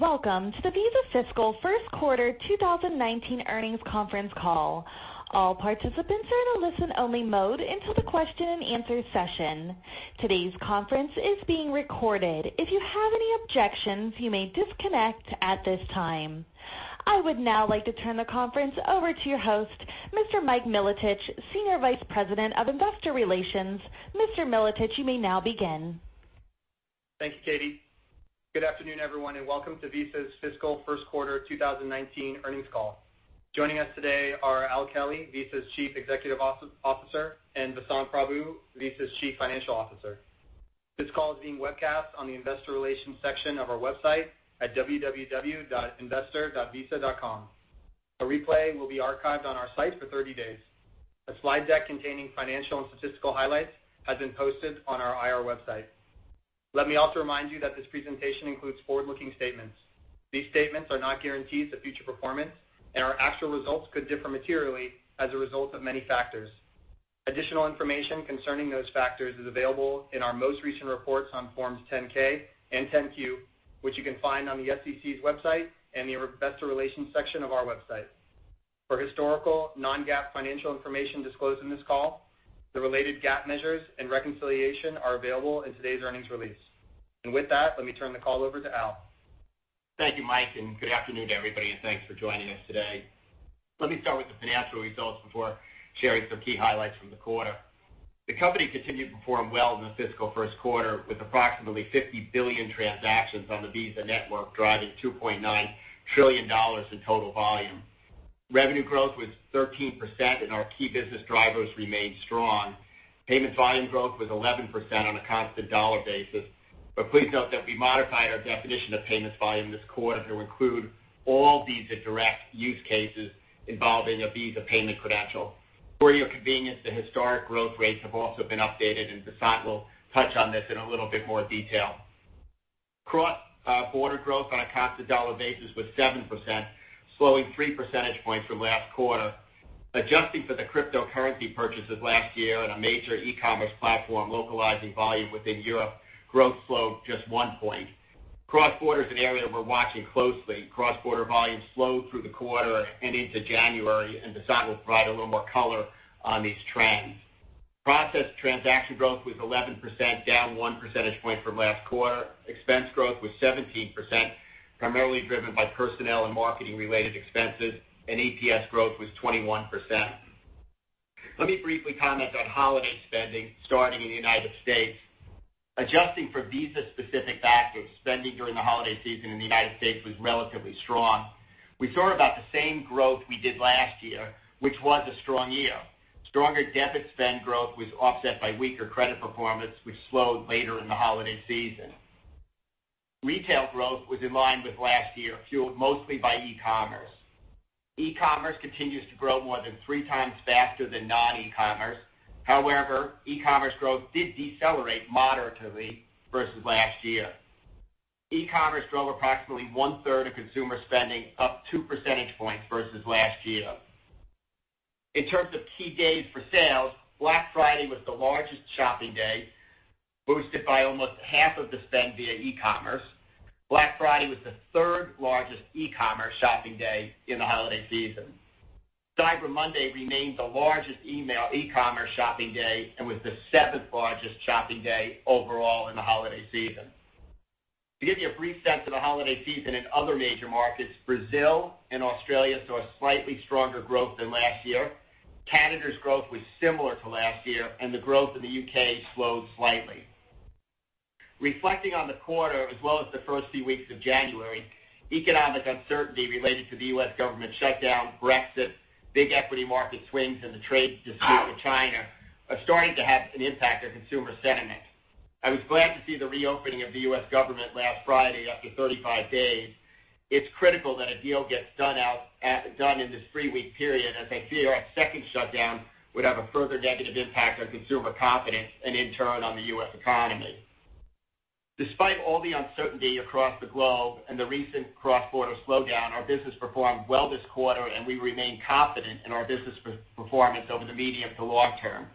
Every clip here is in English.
Welcome to the Visa Fiscal First Quarter 2019 earnings conference call. All participants are in a listen-only mode until the question and answer session. Today's conference is being recorded. If you have any objections, you may disconnect at this time. I would now like to turn the conference over to your host, Mr. Mike Milotich, Senior Vice President of Investor Relations. Mr. Mike Milotich, you may now begin. Thank you, Katie. Good afternoon, everyone, and welcome to Visa's Fiscal First Quarter 2019 earnings call. Joining us today are Al Kelly, Visa's Chief Executive Officer, and Vasant Prabhu, Visa's Chief Financial Officer. This call is being webcast on the investor relations section of our website at www.investor.visa.com. A replay will be archived on our site for 30 days. A slide deck containing financial and statistical highlights has been posted on our IR website. Let me also remind you that this presentation includes forward-looking statements. These statements are not guarantees of future performance, and our actual results could differ materially as a result of many factors. Additional information concerning those factors is available in our most recent reports on Forms 10-K and 10-Q, which you can find on the SEC's website and the investor relations section of our website. For historical non-GAAP financial information disclosed in this call, the related GAAP measures and reconciliation are available in today's earnings release. With that, let me turn the call over to Al. Thank you, Mike, and good afternoon to everybody, and thanks for joining us today. Let me start with the financial results before sharing some key highlights from the quarter. The company continued to perform well in the fiscal first quarter with approximately 50 billion transactions on the Visa network driving $2.9 trillion in total volume. Revenue growth was 13%, and our key business drivers remained strong. Payment volume growth was 11% on a constant dollar basis, but please note that we modified our definition of payments volume this quarter to include all Visa Direct use cases involving a Visa payment credential. For your convenience, the historic growth rates have also been updated, and Vasant will touch on this in a little bit more detail. Cross-border growth on a constant dollar basis was 7%, slowing three percentage points from last quarter. Adjusting for the cryptocurrency purchases last year and a major e-commerce platform localizing volume within Europe, growth slowed just one point. Cross-border is an area we're watching closely. Cross-border volume slowed through the quarter and into January. Vasant Prabhu will provide a little more color on these trends. Processed transaction growth was 11%, down one percentage point from last quarter. Expense growth was 17%, primarily driven by personnel and marketing-related expenses. EPS growth was 21%. Let me briefly comment on holiday spending, starting in the United States. Adjusting for Visa-specific factors, spending during the United States holiday season was relatively strong. We saw about the same growth we did last year, which was a strong year. Stronger debit spend growth was offset by weaker credit performance, which slowed later in the holiday season. Retail growth was in line with last year, fueled mostly by e-commerce. E-commerce continues to grow more than three times faster than non-e-commerce. However, e-commerce growth did decelerate moderately versus last year. E-commerce drove approximately one-third of consumer spending, up two percentage points versus last year. In terms of key days for sales, Black Friday was the largest shopping day, boosted by almost half of the spend via e-commerce. Black Friday was the third largest e-commerce shopping day in the holiday season. Cyber Monday remains the largest e-commerce shopping day and was the seventh largest shopping day overall in the holiday season. To give you a brief sense of the holiday season in other major markets, Brazil and Australia saw slightly stronger growth than last year. Canada's growth was similar to last year. The growth in the U.K. slowed slightly. Reflecting on the quarter as well as the first few weeks of January, economic uncertainty related to the U.S. government shutdown, Brexit, big equity market swings, and the trade dispute with China are starting to have an impact on consumer sentiment. I was glad to see the reopening of the U.S. government last Friday after 35 days. It's critical that a deal gets done in this three-week period, as a CRs second shutdown would have a further negative impact on consumer confidence and, in turn, on the U.S. economy. Despite all the uncertainty across the globe and the recent cross-border slowdown, our business performed well this quarter. We remain confident in our business performance over the medium to long term.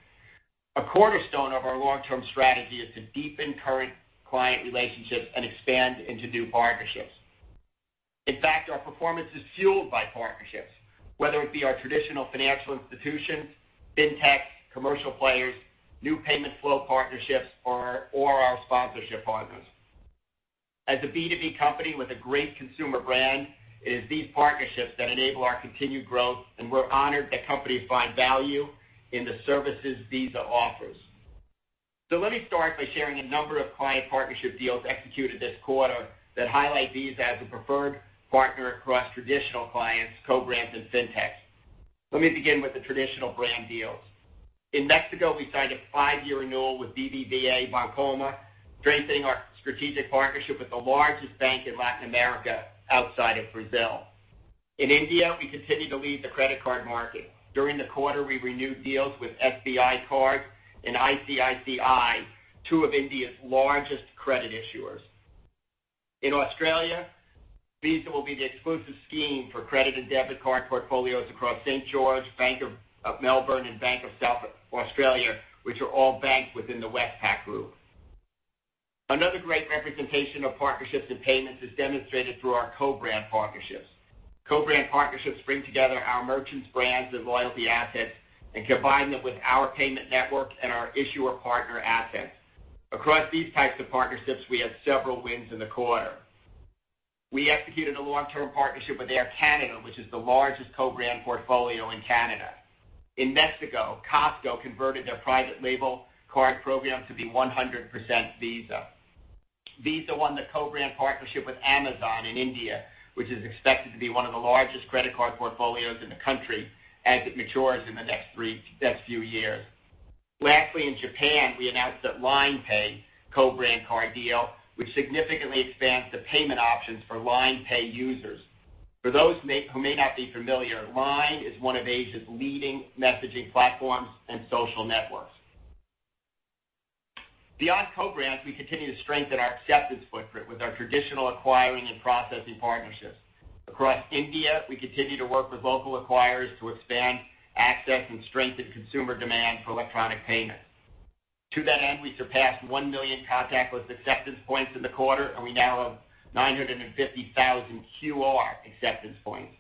A cornerstone of our long-term strategy is to deepen current client relationships and expand into new partnerships. In fact, our performance is fueled by partnerships, whether it be our traditional financial institutions, fintech, commercial players, new payment flow partnerships, or our sponsorship partners. As a B2B company with a great consumer brand, it is these partnerships that enable our continued growth. We're honored that companies find value in the services Visa offers. Let me start by sharing a number of client partnership deals executed this quarter that highlight Visa as a preferred partner across traditional clients, co-brands, and fintechs. Let me begin with the traditional brand deals. In Mexico, we signed a five-year renewal with BBVA Bancomer, strengthening our strategic partnership with the largest bank in Latin America outside of Brazil. In India, we continue to lead the credit card market. During the quarter, we renewed deals with SBI Card and ICICI, two of India's largest credit issuers. In Australia, Visa will be the exclusive scheme for credit and debit card portfolios across St.George, Bank of Melbourne, and Bank of South Australia, which are all banks within the Westpac group. Another great representation of partnerships and payments is demonstrated through our co-brand partnerships. Co-brand partnerships bring together our merchants' brands and loyalty assets and combine them with our payment network and our issuer partner assets. Across these types of partnerships, we had several wins in the quarter. We executed a long-term partnership with Air Canada, which is the largest co-brand portfolio in Canada. In Mexico, Costco converted their private label card program to be 100% Visa. Visa won the co-brand partnership with Amazon in India, which is expected to be one of the largest credit card portfolios in the country as it matures in the next few years. Lastly, in Japan, we announced that LINE Pay co-brand card deal, which significantly expands the payment options for LINE Pay users. For those who may not be familiar, Line is one of Asia's leading messaging platforms and social networks. Beyond co-brands, we continue to strengthen our acceptance footprint with our traditional acquiring and processing partnerships. Across India, we continue to work with local acquirers to expand access and strengthen consumer demand for electronic payments. To that end, we surpassed 1 million contactless acceptance points in the quarter, and we now have 950,000 QR acceptance points.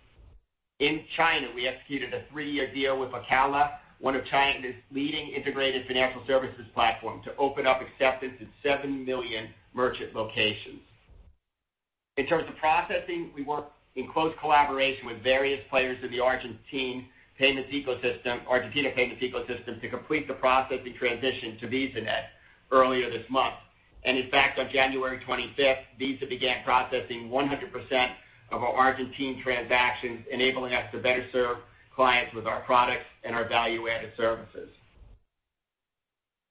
In China, we executed a three-year deal with Lakala, one of China's leading integrated financial services platform, to open up acceptance in 7 million merchant locations. In terms of processing, we work in close collaboration with various players in the Argentina payments ecosystem to complete the processing transition to VisaNet earlier this month. In fact, on January 25th, Visa began processing 100% of our Argentine transactions, enabling us to better serve clients with our products and our value-added services.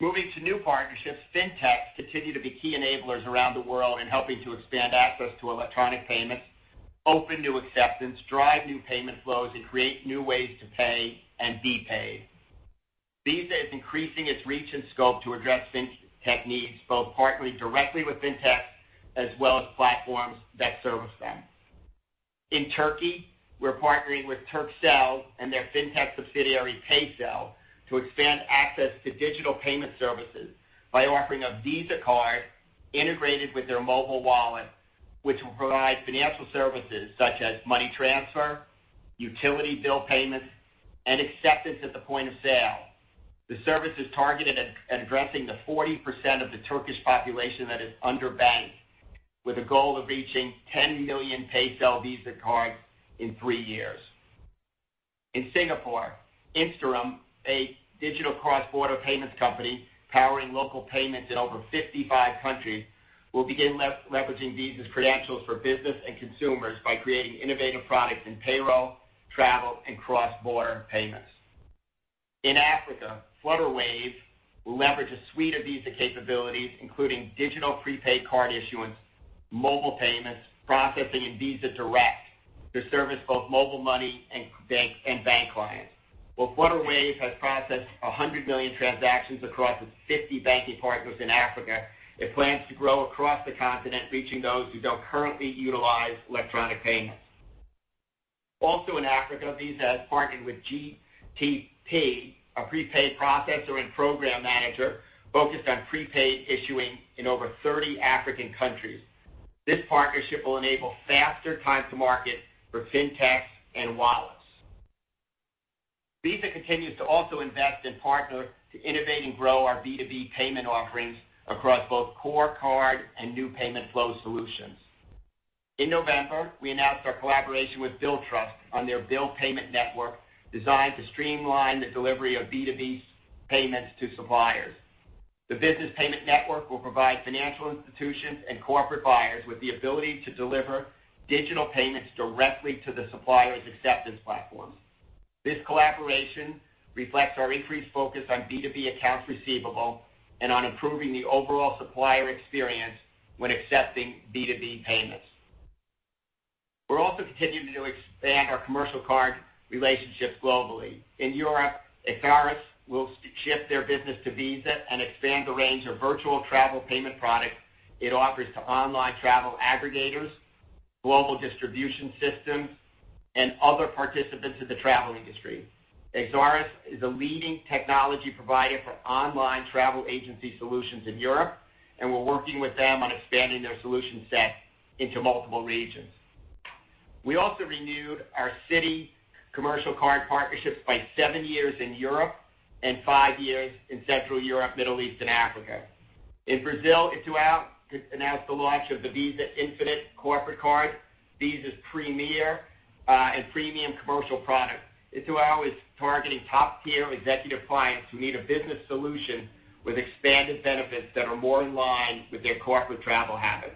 Moving to new partnerships, fintechs continue to be key enablers around the world in helping to expand access to electronic payments, open new acceptance, drive new payment flows, and create new ways to pay and be paid. Visa is increasing its reach and scope to address fintech needs, both partnering directly with fintechs as well as platforms that service them. In Turkey, we're partnering with Turkcell and their fintech subsidiary, Paycell, to expand access to digital payment services by offering a Visa card integrated with their mobile wallet, which will provide financial services such as money transfer, utility bill payments, and acceptance at the point of sale. The service is targeted at addressing the 40% of the Turkish population that is underbanked, with a goal of reaching 10 million Paycell Visa cards in three years. In Singapore, Instarem, a digital cross-border payments company powering local payments in over 55 countries, will begin leveraging Visa's credentials for business and consumers by creating innovative products in payroll, travel, and cross-border payments. In Africa, Flutterwave will leverage a suite of Visa capabilities, including digital prepaid card issuance, mobile payments, processing in Visa Direct to service both mobile money and bank clients. While Flutterwave has processed 100 million transactions across its 50 banking partners in Africa, it plans to grow across the continent, reaching those who don't currently utilize electronic payments. Also in Africa, Visa has partnered with GTP, a prepaid processor and program manager focused on prepaid issuing in over 30 African countries. This partnership will enable faster time to market for fintechs and wallets. Visa continues to also invest and partner to innovate and grow our B2B payment offerings across both core card and new payment flow solutions. In November, we announced our collaboration with Billtrust on their bill payment network designed to streamline the delivery of B2B payments to suppliers. The business payment network will provide financial institutions and corporate buyers with the ability to deliver digital payments directly to the supplier's acceptance platforms. This collaboration reflects our increased focus on B2B accounts receivable and on improving the overall supplier experience when accepting B2B payments. We're also continuing to expand our commercial card relationships globally. In Europe, Ixarus will shift their business to Visa and expand the range of virtual travel payment products it offers to online travel aggregators, global distribution systems, and other participants in the travel industry. Ixarus is a leading technology provider for online travel agency solutions in Europe. We're working with them on expanding their solution set into multiple regions. We also renewed our city commercial card partnerships by seven years in Europe and five years in Central Europe, Middle East, and Africa. In Brazil, Itaú announced the launch of the Visa Infinite corporate card, Visa's premier and premium commercial product. Itaú is targeting top-tier executive clients who need a business solution with expanded benefits that are more in line with their corporate travel habits.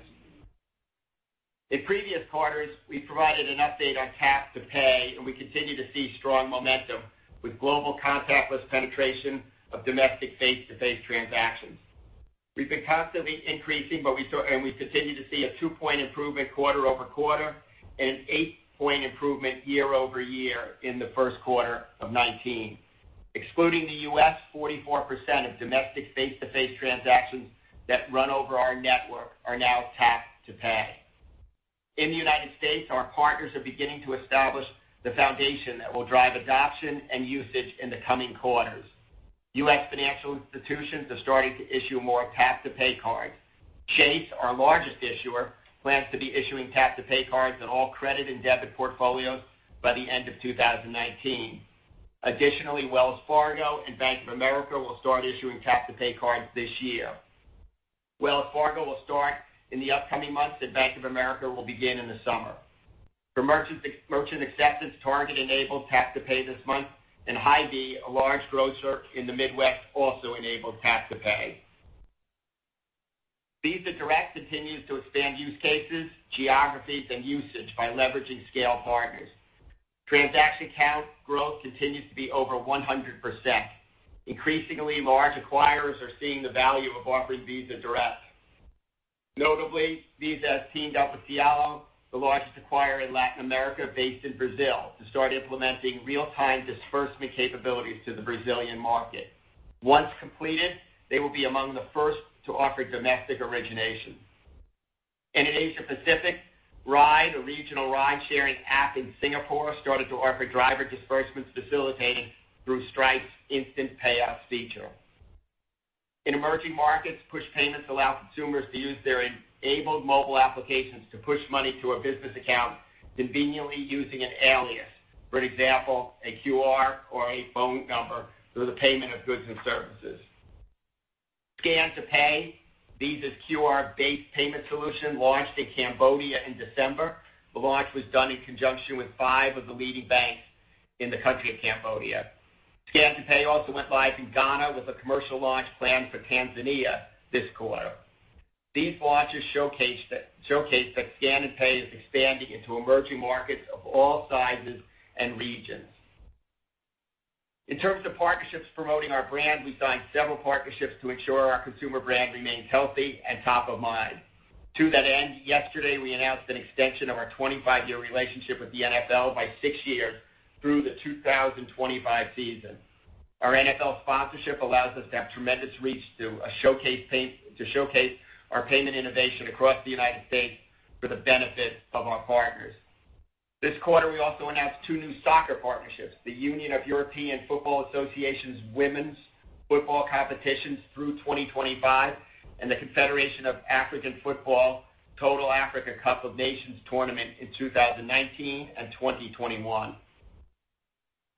In previous quarters, we provided an update on tap-to-pay. We continue to see strong momentum with global contactless penetration of domestic face-to-face transactions. We've been constantly increasing. We continue to see a two-point improvement quarter-over-quarter and an eight-point improvement year-over-year in the first quarter of 2019. Excluding the U.S., 44% of domestic face-to-face transactions that run over our network are now tap-to-pay. In the United States, our partners are beginning to establish the foundation that will drive adoption and usage in the coming quarters. U.S. financial institutions are starting to issue more tap-to-pay cards. Chase, our largest issuer, plans to be issuing tap-to-pay cards on all credit and debit portfolios by the end of 2019. Additionally, Wells Fargo and Bank of America will start issuing tap-to-pay cards this year. Wells Fargo will start in the upcoming months. Bank of America will begin in the summer. For merchant acceptance, Target enabled tap-to-pay this month. Hy-Vee, a large grocer in the Midwest, also enabled tap-to-pay. Visa Direct continues to expand use cases, geographies, and usage by leveraging scale partners. Transaction count growth continues to be over 100%. Increasingly large acquirers are seeing the value of offering Visa Direct. Notably, Visa has teamed up with Cielo, the largest acquirer in Latin America, based in Brazil, to start implementing real-time disbursement capabilities to the Brazilian market. Once completed, they will be among the first to offer domestic origination. In Asia Pacific, Ryde, a regional ride-sharing app in Singapore, started to offer driver disbursements facilitated through Stripe's Instant Payouts feature. In emerging markets, push payments allow consumers to use their enabled mobile applications to push money to a business account, conveniently using an alias. For example, a QR or a phone number for the payment of goods and services. Scan to Pay, Visa's QR-based payment solution, launched in Cambodia in December. The launch was done in conjunction with five of the leading banks in the country of Cambodia. Scan to Pay also went live in Ghana, with a commercial launch planned for Tanzania this quarter. These launches showcase that Scan to Pay is expanding into emerging markets of all sizes and regions. In terms of partnerships promoting our brand, we signed several partnerships to ensure our consumer brand remains healthy and top of mind. To that end, yesterday, we announced an extension of our 25-year relationship with the NFL by six years, through the 2025 season. Our NFL sponsorship allows us to have tremendous reach to showcase our payment innovation across the United States for the benefit of our partners. This quarter, we also announced two new soccer partnerships, the Union of European Football Associations Women's Football Competitions through 2025, and the Confederation of African Football Total Africa Cup of Nations tournament in 2019 and 2021.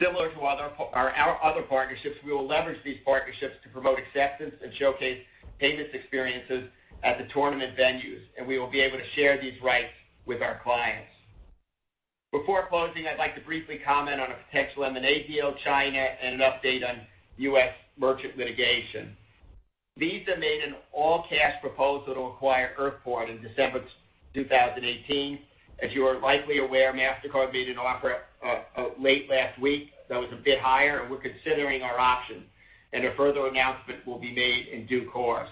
Similar to our other partnerships, we will leverage these partnerships to promote acceptance and showcase payments experiences at the tournament venues, and we will be able to share these rights with our clients. Before closing, I'd like to briefly comment on a potential M&A deal, China, and an update on U.S. merchant litigation. Visa made an all-cash proposal to acquire Earthport in December 2018. As you are likely aware, Mastercard made an offer late last week that was a bit higher. We're considering our options. A further announcement will be made in due course.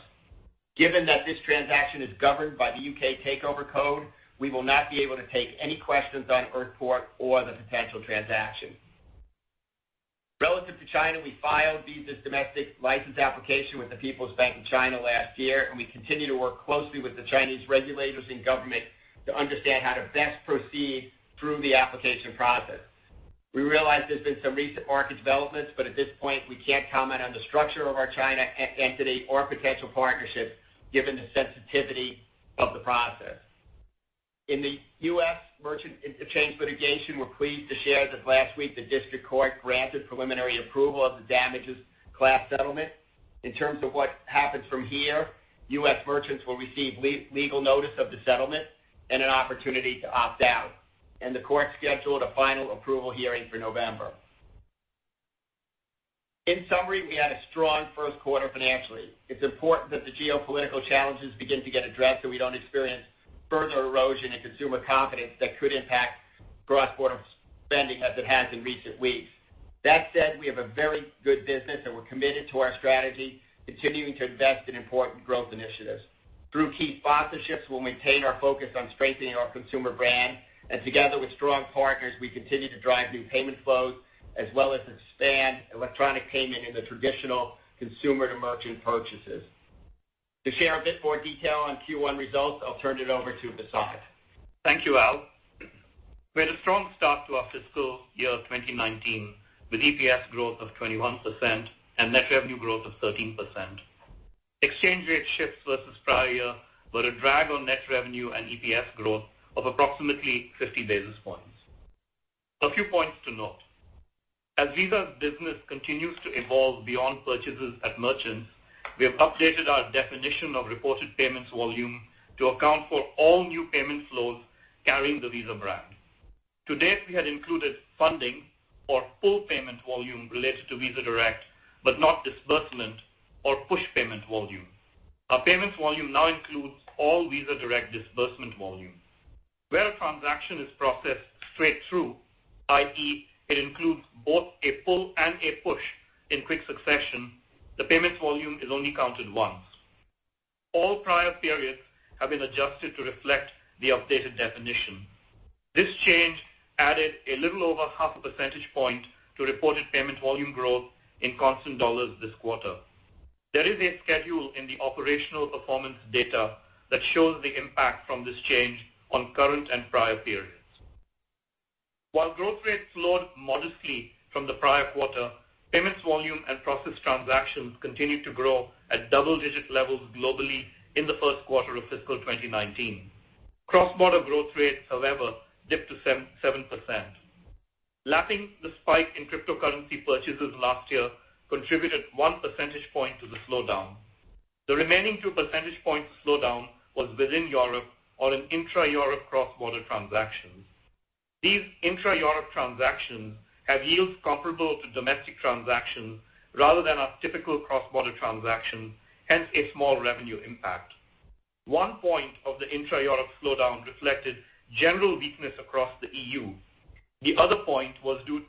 Given that this transaction is governed by the U.K. Takeover Code, we will not be able to take any questions on Earthport or the potential transaction. Relative to China, we filed Visa's domestic license application with the People's Bank of China last year. We continue to work closely with the Chinese regulators and government to understand how to best proceed through the application process. We realize there's been some recent market developments, but at this point, we can't comment on the structure of our China entity or potential partnerships given the sensitivity of the process. In the U.S. merchant interchange litigation, we're pleased to share that last week, the district court granted preliminary approval of the damages class settlement. In terms of what happens from here, U.S. merchants will receive legal notice of the settlement. An opportunity to opt out, and the court scheduled a final approval hearing for November. In summary, we had a strong first quarter financially. It's important that the geopolitical challenges begin to get addressed so we don't experience further erosion in consumer confidence that could impact cross-border spending as it has in recent weeks. That said, we have a very good business. We're committed to our strategy, continuing to invest in important growth initiatives. Through key sponsorships, we'll maintain our focus on strengthening our consumer brand. Together with strong partners, we continue to drive new payment flows, as well as expand electronic payment into traditional consumer-to-merchant purchases. To share a bit more detail on Q1 results, I'll turn it over to Vasant. Thank you, Al. We had a strong start to our fiscal year 2019, with EPS growth of 21% and net revenue growth of 13%. Exchange rate shifts versus prior year were a drag on net revenue and EPS growth of approximately 50 basis points. A few points to note. As Visa's business continues to evolve beyond purchases at merchants, we have updated our definition of reported payments volume to account for all new payment flows carrying the Visa brand. To date, we had included funding or full payment volume related to Visa Direct, but not disbursement or push payment volume. Our payments volume now includes all Visa Direct disbursement volume. Where a transaction is processed straight through, i.e., it includes both a pull and a push in quick succession, the payments volume is only counted once. All prior periods have been adjusted to reflect the updated definition. This change added a little over half a percentage point to reported payment volume growth in constant dollars this quarter. There is a schedule in the operational performance data that shows the impact from this change on current and prior periods. While growth rates slowed modestly from the prior quarter, payments volume and processed transactions continued to grow at double-digit levels globally in the first quarter of fiscal 2019. Cross-border growth rates, however, dipped to 7%. Lapping the spike in cryptocurrency purchases last year contributed one percentage point to the slowdown. The remaining two percentage points of slowdown was within Europe on an intra-Europe cross-border transactions. These intra-Europe transactions have yields comparable to domestic transactions rather than a typical cross-border transaction, hence a small revenue impact. One point of the intra-Europe slowdown reflected general weakness across the EU. The other point was due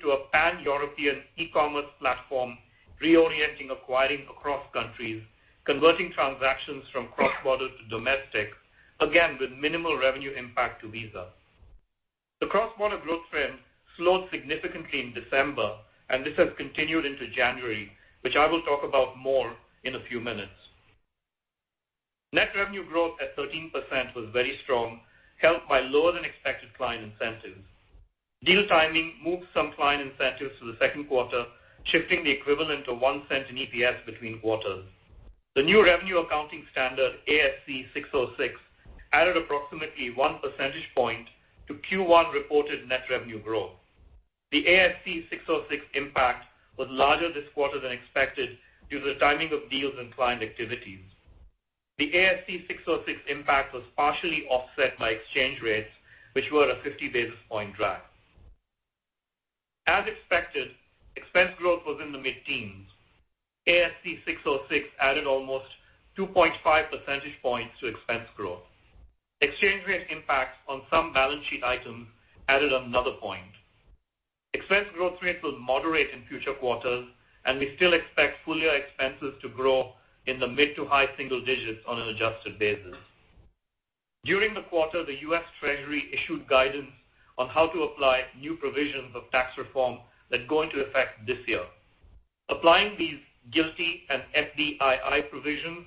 to a pan-European e-commerce platform reorienting, acquiring across countries, converting transactions from cross-border to domestic, again, with minimal revenue impact to Visa. The cross-border growth trend slowed significantly in December. This has continued into January, which I will talk about more in a few minutes. Net revenue growth at 13% was very strong, helped by lower-than-expected client incentives. Deal timing moved some client incentives to the second quarter, shifting the equivalent of $0.01 in EPS between quarters. The new revenue accounting standard, ASC 606, added approximately one percentage point to Q1 reported net revenue growth. The ASC 606 impact was larger this quarter than expected due to the timing of deals and client activities. The ASC 606 impact was partially offset by exchange rates, which were a 50-basis point drag. As expected, expense growth was in the mid-teens. ASC 606 added almost 2.5 percentage points to expense growth. Exchange rate impacts on some balance sheet items added another point. Expense growth rates will moderate in future quarters, and we still expect full-year expenses to grow in the mid- to high single digits on an adjusted basis. During the quarter, the U.S. Treasury issued guidance on how to apply new provisions of tax reform that go into effect this year. Applying these GILTI and FDII provisions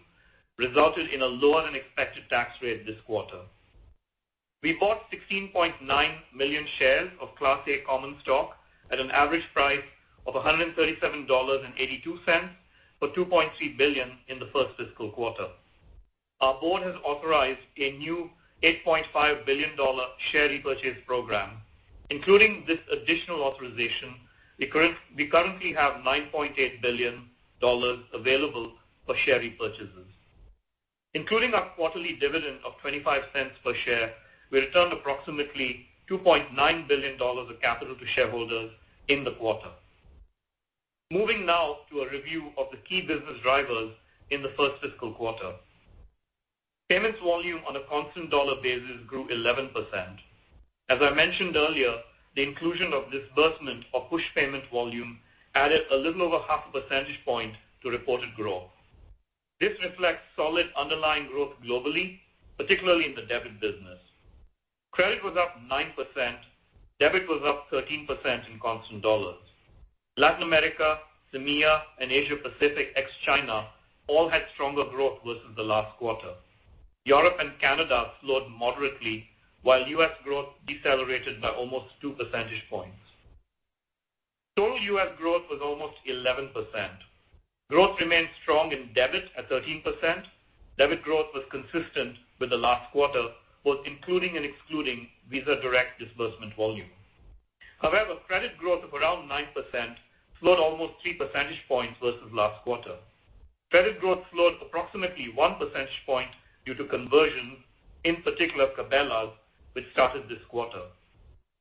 resulted in a lower-than-expected tax rate this quarter. We bought 16.9 million shares of Class A common stock at an average price of $137.82 for $2.3 billion in the first fiscal quarter. Our board has authorized a new $8.5 billion share repurchase program. Including this additional authorization, we currently have $9.8 billion available for share repurchases. Including our quarterly dividend of $0.25 per share, we returned approximately $2.9 billion of capital to shareholders in the quarter. Moving now to a review of the key business drivers in the first fiscal quarter. Payments volume on a constant dollar basis grew 11%. As I mentioned earlier, the inclusion of disbursement or push payment volume added a little over half a percentage point to reported growth. This reflects solid underlying growth globally, particularly in the debit business. Credit was up 9%, debit was up 13% in constant dollars. Latin America, MEA, and Asia Pacific ex China all had stronger growth versus the last quarter. Europe and Canada slowed moderately, while U.S. growth decelerated by almost two percentage points. Total U.S. growth was almost 11%. Growth remained strong in debit at 13%. Debit growth was consistent with the last quarter, both including and excluding Visa Direct disbursement volume. Credit growth of around 9% slowed almost three percentage points versus last quarter. Credit growth slowed approximately one percentage point due to conversion, in particular, Cabela's, which started this quarter.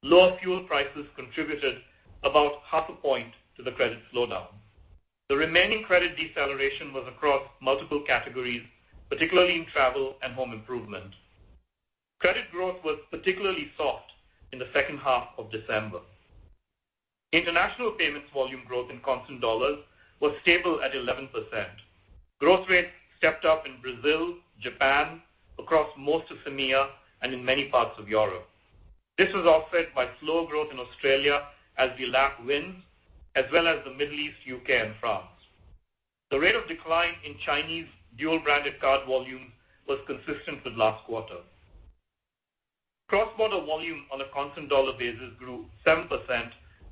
Lower fuel prices contributed about half a point to the credit slowdown. The remaining credit deceleration was across multiple categories, particularly in travel and home improvement. Credit growth was particularly soft in the second half of December. International payments volume growth in constant dollars was stable at 11%. Growth rates stepped up in Brazil, Japan, across most of MEA, and in many parts of Europe. This was offset by slow growth in Australia as we lap wins, as well as the Middle East, U.K., and France. The rate of decline in Chinese dual-branded card volume was consistent with last quarter. Cross-border volume on a constant dollar basis grew 7%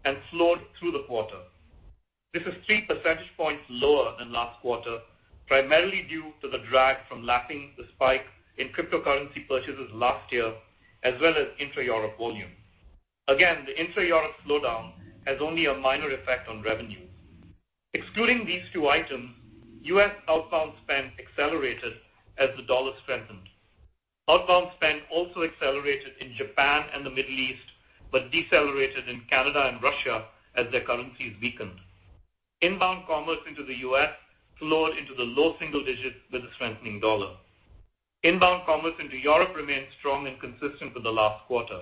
and slowed through the quarter. This is three percentage points lower than last quarter, primarily due to the drag from lapping the spike in cryptocurrency purchases last year, as well as intra-Europe volume. The intra-Europe slowdown has only a minor effect on revenue. Excluding these two items, U.S. outbound spend accelerated as the dollar strengthened. Outbound spend also accelerated in Japan and the Middle East, but decelerated in Canada and Russia as their currencies weakened. Inbound commerce into the U.S. slowed into the low single digits with the strengthening dollar. Inbound commerce into Europe remained strong and consistent with the last quarter.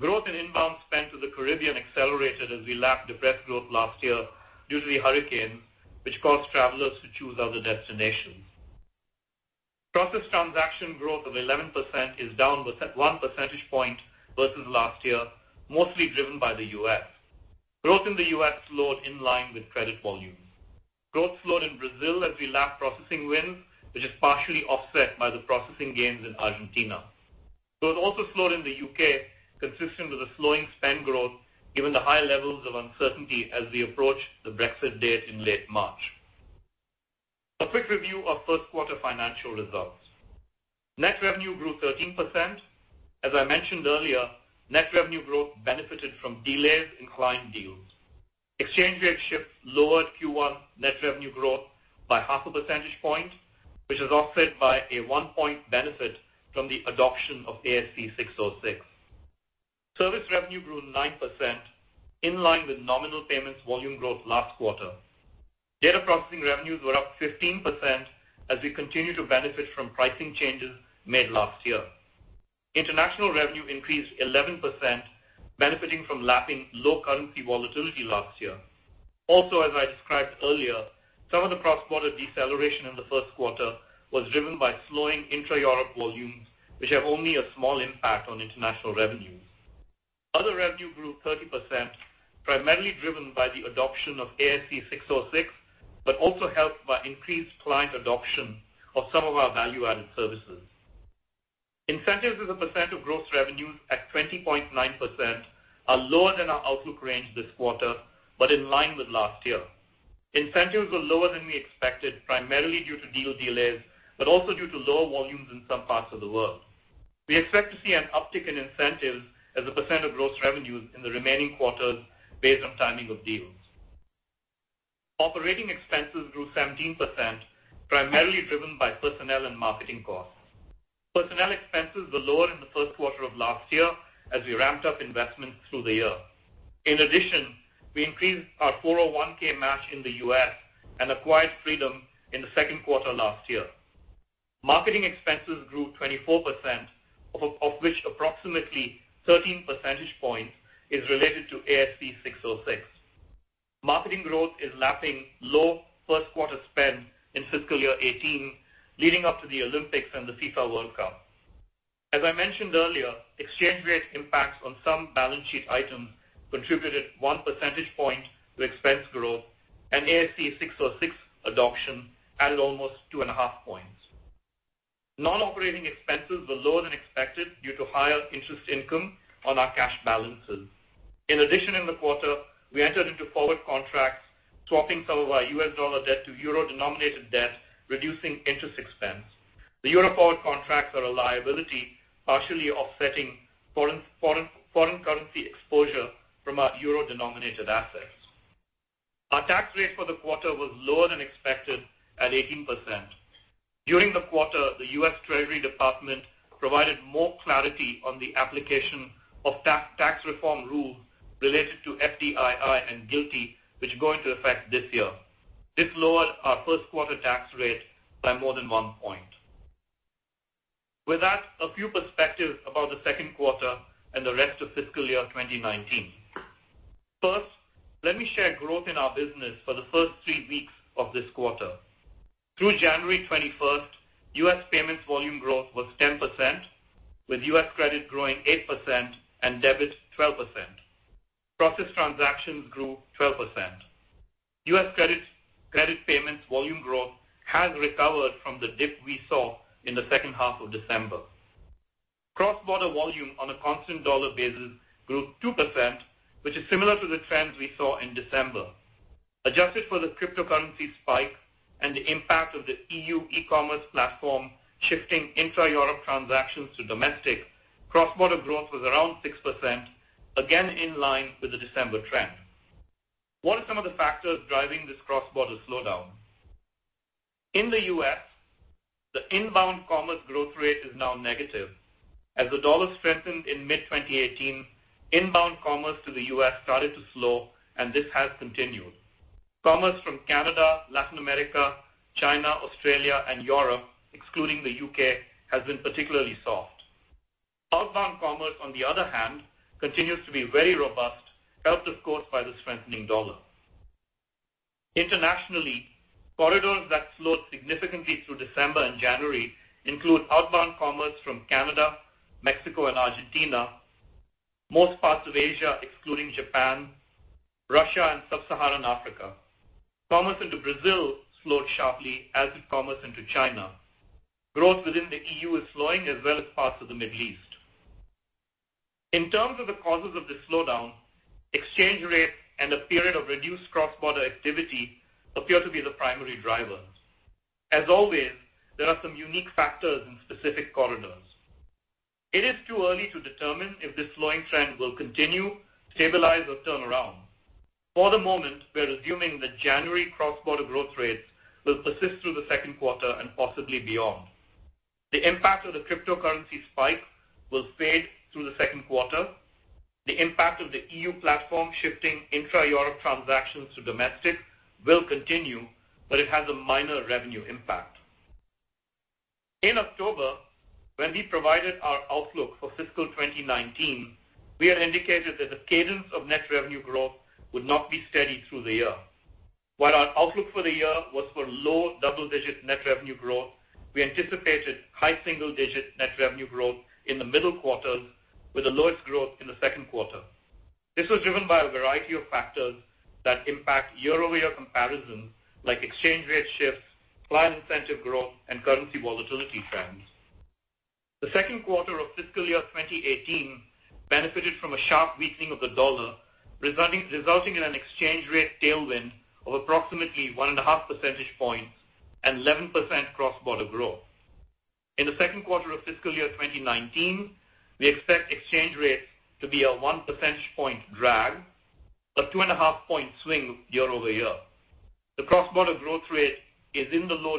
Growth in inbound spend to the Caribbean accelerated as we lapped depressed growth last year due to the hurricanes, which caused travelers to choose other destinations. Processed transaction growth of 11% is down one percentage point versus last year, mostly driven by the U.S. Growth in the U.S. slowed in line with credit volumes. Growth slowed in Brazil as we lap processing wins, which is partially offset by the processing gains in Argentina. Growth also slowed in the U.K., consistent with the slowing spend growth given the high levels of uncertainty as we approach the Brexit date in late March. A quick review of first quarter financial results. Net revenue grew 13%. As I mentioned earlier, net revenue growth benefited from delays in client deals. Exchange rate shifts lowered Q1 net revenue growth by half a percentage point, which is offset by a one-point benefit from the adoption of ASC 606. Service revenue grew 9%, in line with nominal payments volume growth last quarter. Data processing revenues were up 15% as we continue to benefit from pricing changes made last year. International revenue increased 11%, benefiting from lapping low currency volatility last year. As I described earlier, some of the cross-border deceleration in the first quarter was driven by slowing intra-Europe volumes, which have only a small impact on international revenues. Other revenue grew 30%, primarily driven by the adoption of ASC 606, but also helped by increased client adoption of some of our value-added services. Incentives as a percent of gross revenues at 20.9% are lower than our outlook range this quarter, but in line with last year. Incentives were lower than we expected, primarily due to deal delays, but also due to lower volumes in some parts of the world. We expect to see an uptick in incentives as a percent of gross revenues in the remaining quarters based on timing of deals. Operating expenses grew 17%, primarily driven by personnel and marketing costs. Personnel expenses were lower in the first quarter of last year as we ramped up investments through the year. In addition, we increased our 401K match in the U.S. and acquired Fraedom in the second quarter last year. Marketing expenses grew 24%, of which approximately 13 percentage points is related to ASC 606. Marketing growth is lapping low first-quarter spend in fiscal year 2018, leading up to the Olympics and the FIFA World Cup. As I mentioned earlier, exchange rate impacts on some balance sheet items contributed one percentage point to expense growth and ASC 606 adoption added almost two and a half points. Non-operating expenses were lower than expected due to higher interest income on our cash balances. In addition, in the quarter, we entered into forward contracts, swapping some of our U.S. dollar debt to euro-denominated debt, reducing interest expense. The euro forward contracts are a liability, partially offsetting foreign currency exposure from our euro-denominated assets. Our tax rate for the quarter was lower than expected at 18%. During the quarter, the U.S. Treasury Department provided more clarity on the application of tax reform rules related to FDII and GILTI, which go into effect this year. This lowered our first-quarter tax rate by more than one point. With that, a few perspectives about the second quarter and the rest of fiscal year 2019. First, let me share growth in our business for the first three weeks of this quarter. Through January 21st, U.S. payments volume growth was 10%, with U.S. credit growing 8% and debit 12%. Processed transactions grew 12%. U.S. credit payments volume growth has recovered from the dip we saw in the second half of December. Cross-border volume on a constant dollar basis grew 2%, which is similar to the trends we saw in December. Adjusted for the cryptocurrency spike and the impact of the EU e-commerce platform shifting intra-Europe transactions to domestic, cross-border growth was around 6%, again in line with the December trend. What are some of the factors driving this cross-border slowdown? In the U.S., the inbound commerce growth rate is now negative. As the dollar strengthened in mid-2018, inbound commerce to the U.S. started to slow, and this has continued. Commerce from Canada, Latin America, China, Australia, and Europe, excluding the U.K., has been particularly soft. Outbound commerce, on the other hand, continues to be very robust, helped of course by the strengthening dollar. Internationally, corridors that slowed significantly through December and January include outbound commerce from Canada, Mexico, and Argentina, most parts of Asia excluding Japan, Russia, and Sub-Saharan Africa.. Commerce into Brazil slowed sharply as did commerce into China. Growth within the EU is slowing as well as parts of the Middle East. In terms of the causes of this slowdown, exchange rates and a period of reduced cross-border activity appear to be the primary drivers. As always, there are some unique factors in specific corridors. It is too early to determine if this slowing trend will continue, stabilize, or turn around. For the moment, we're assuming the January cross-border growth rates will persist through the second quarter and possibly beyond. The impact of the cryptocurrency spike will fade through the second quarter. The impact of the EU platform shifting intra-Europe transactions to domestic will continue, but it has a minor revenue impact. In October, when we provided our outlook for fiscal 2019, we had indicated that the cadence of net revenue growth would not be steady through the year. While our outlook for the year was for low double-digit net revenue growth, we anticipated high single-digit net revenue growth in the middle quarters, with the lowest growth in the second quarter. This was driven by a variety of factors that impact year-over-year comparisons, like exchange rate shifts, client incentive growth, and currency volatility trends. The second quarter of fiscal year 2018 benefited from a sharp weakening of the dollar, resulting in an exchange rate tailwind of approximately one and a half percentage points and 11% cross-border growth. In the second quarter of fiscal year 2019, we expect exchange rates to be a one percentage point drag, a two and a half point swing year-over-year. The cross-border growth rate is in the low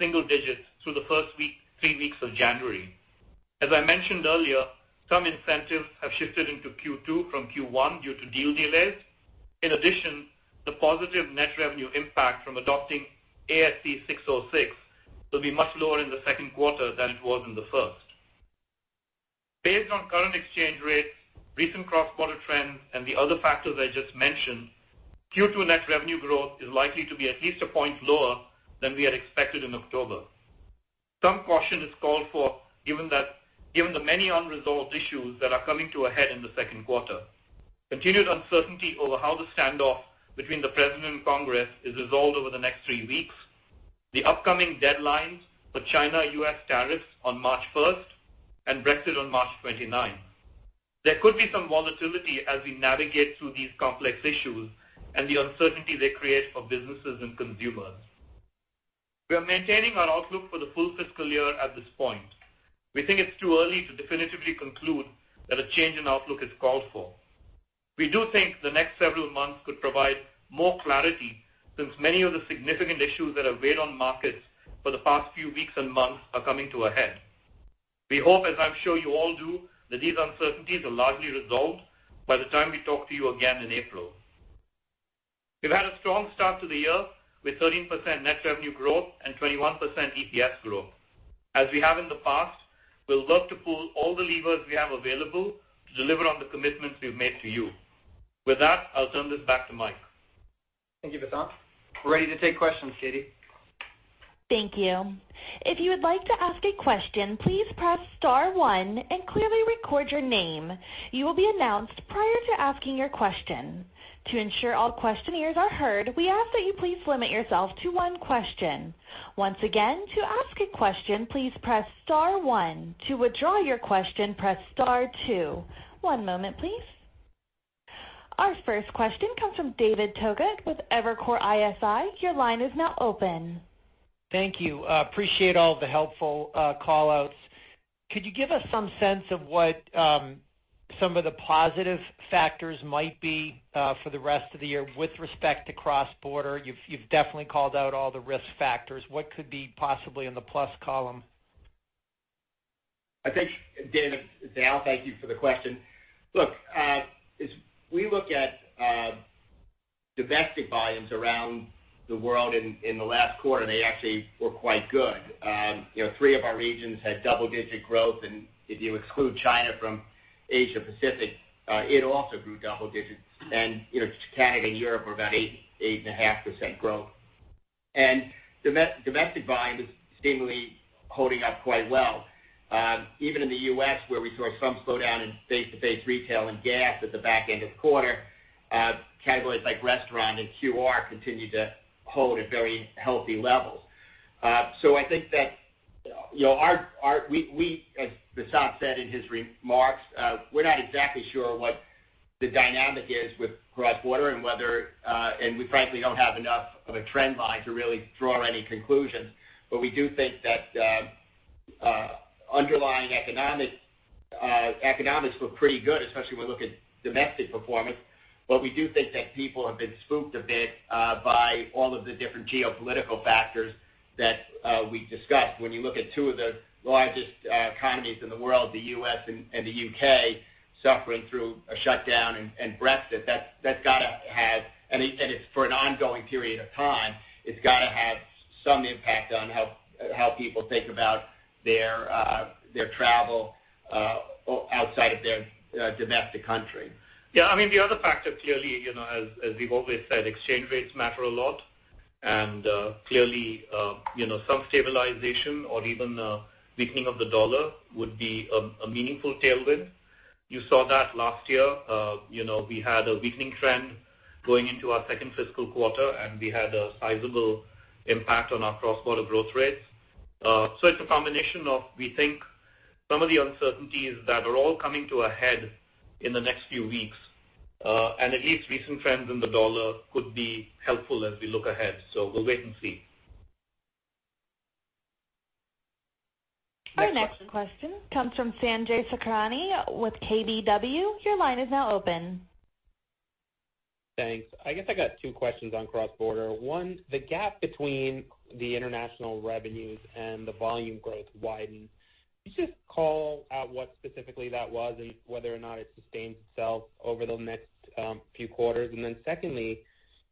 single digits through the first three weeks of January. As I mentioned earlier, some incentives have shifted into Q2 from Q1 due to deal delays. In addition, the positive net revenue impact from adopting ASC 606 will be much lower in the second quarter than it was in the first. Based on current exchange rates, recent cross-border trends, and the other factors I just mentioned, Q2 net revenue growth is likely to be at least a point lower than we had expected in October. Some caution is called for, given the many unresolved issues that are coming to a head in the second quarter. Continued uncertainty over how the standoff between the president and Congress is resolved over the next three weeks, the upcoming deadlines for China-U.S. tariffs on March 1st, and Brexit on March 29th. There could be some volatility as we navigate through these complex issues and the uncertainty they create for businesses and consumers. We are maintaining our outlook for the full fiscal year at this point. We think it's too early to definitively conclude that a change in outlook is called for. We do think the next several months could provide more clarity, since many of the significant issues that have weighed on markets for the past few weeks and months are coming to a head. We hope, as I'm sure you all do, that these uncertainties are largely resolved by the time we talk to you again in April. We've had a strong start to the year with 13% net revenue growth and 21% EPS growth. As we have in the past, we'll work to pull all the levers we have available to deliver on the commitments we've made to you. With that, I'll turn this back to Mike. Thank you, Vasant. We're ready to take questions, Katie. Thank you. If you would like to ask a question, please press star one and clearly record your name. You will be announced prior to asking your question. To ensure all questioners are heard, we ask that you please limit yourself to one question. Once again, to ask a question, please press star one. To withdraw your question, press star two. One moment, please. Our first question comes from David Togut with Evercore ISI. Your line is now open. Thank you. Appreciate all the helpful call-outs. Could you give us some sense of what some of the positive factors might be for the rest of the year with respect to cross-border? You've definitely called out all the risk factors. What could be possibly in the plus column? Dan, thank you for the question. As we look at domestic volumes around the world in the last quarter, they actually were quite good. Three of our regions had double-digit growth, if you exclude China from Asia Pacific, it also grew double digits. Canada and Europe were about 8.5% growth. Domestic volume is seemingly holding up quite well. Even in the U.S., where we saw some slowdown in face-to-face retail and gas at the back end of the quarter, categories like restaurant and QR continued to hold at very healthy levels. I think that as Vasant said in his remarks, we're not exactly sure what the dynamic is with cross-border, we frankly don't have enough of a trend line to really draw any conclusions. We do think that underlying economics look pretty good, especially when we look at domestic performance. We do think that people have been spooked a bit by all of the different geopolitical factors that we've discussed. When you look at two of the largest economies in the world, the U.S. and the U.K., suffering through a shutdown and Brexit, it's for an ongoing period of time, it's got to have some impact on how people think about their travel outside of their domestic country. The other factor clearly, as we've always said, exchange rates matter a lot. Clearly, some stabilization or even a weakening of the dollar would be a meaningful tailwind. You saw that last year. We had a weakening trend going into our second fiscal quarter, we had a sizable impact on our cross-border growth rates. It's a combination of, we think, some of the uncertainties that are all coming to a head in the next few weeks. At least recent trends in the dollar could be helpful as we look ahead. We'll wait and see. Our next question comes from Sanjay Sakhrani with KBW. Your line is now open. Thanks. I guess I got two questions on cross-border. One, the gap between the international revenues and the volume growth widened. Could you just call out what specifically that was and whether or not it sustains itself over the next few quarters? Secondly,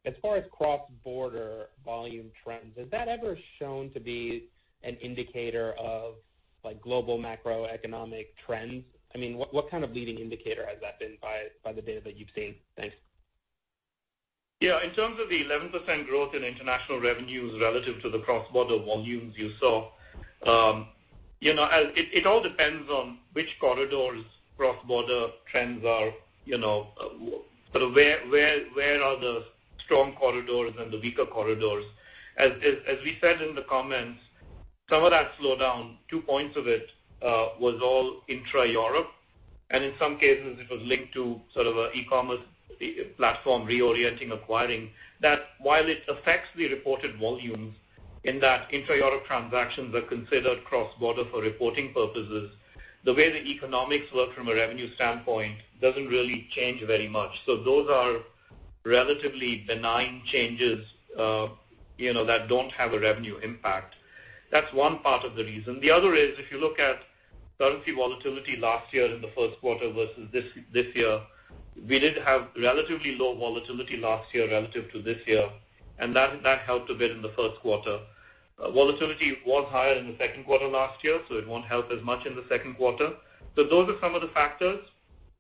as far as cross-border volume trends, has that ever shown to be an indicator of global macroeconomic trends. What kind of leading indicator has that been by the data that you've seen? Thanks. Yeah. In terms of the 11% growth in international revenues relative to the cross-border volumes you saw, it all depends on which corridors cross-border trends are, sort of where are the strong corridors and the weaker corridors. As we said in the comments, some of that slowdown, two points of it, was all intra-Europe, and in some cases, it was linked to sort of an e-commerce platform reorienting, acquiring. That while it affects the reported volumes, in that intra-Europe transactions are considered cross-border for reporting purposes, the way the economics work from a revenue standpoint doesn't really change very much. Those are relatively benign changes that don't have a revenue impact. That's one part of the reason. The other is, if you look at currency volatility last year in the first quarter versus this year, we did have relatively low volatility last year relative to this year, and that helped a bit in the first quarter. Volatility was higher in the second quarter last year. It won't help as much in the second quarter. Those are some of the factors.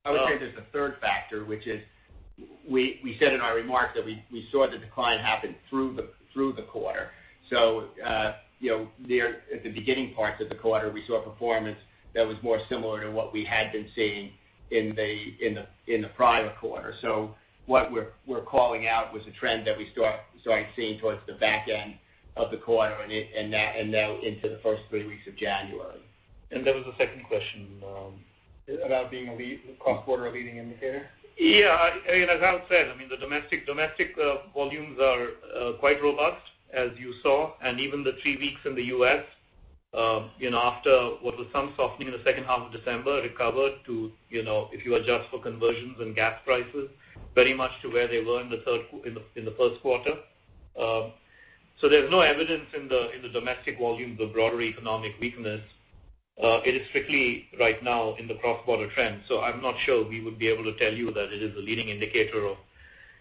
I would say there's a third factor, which is, we said in our remarks that we saw the decline happen through the quarter. At the beginning parts of the quarter, we saw performance that was more similar to what we had been seeing in the prior quarter. What we're calling out was a trend that we started seeing towards the back end of the quarter and now into the first three weeks of January. There was a second question. About being cross-border a leading indicator. As Al said, the domestic volumes are quite robust, as you saw, and even the three weeks in the U.S. after what was some softening in the second half of December recovered to, if you adjust for conversions and gas prices, very much to where they were in the first quarter. There's no evidence in the domestic volumes of broader economic weakness. It is strictly right now in the cross-border trend. I'm not sure we would be able to tell you that it is a leading indicator of